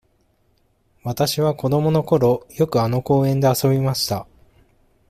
わたしは子どものころ、よくあの公園で遊びました。